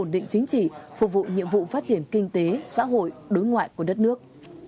diễn kinh tế xã hội đối ngoại của đất nước